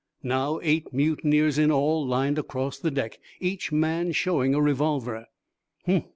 Now, eight mutineers, in all, lined across the deck, each man showing a revolver.